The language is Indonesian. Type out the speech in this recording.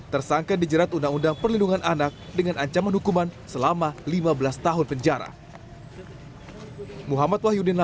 tersangka dijerat undang undang perlindungan anak dengan ancaman hukuman selama lima belas tahun penjara